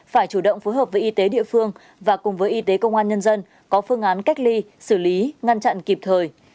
phải chủ động phối hợp với y tế địa phương và cùng với y tế công an nhân dân có phương án cách ly xử lý ngăn chặn kịp thời